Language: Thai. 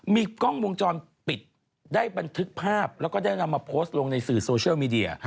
มีกล้องวงจรปิดได้บันทึกภาพแล้วก็ได้นำมาโพสต์ลงในสื่อโซเชียลมีเดีย